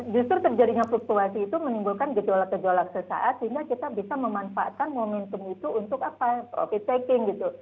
justru terjadinya fluktuasi itu menimbulkan gejolak gejolak sesaat sehingga kita bisa memanfaatkan momentum itu untuk apa profit taking gitu